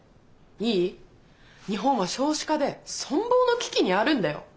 いい？日本は少子化で存亡の危機にあるんだよ。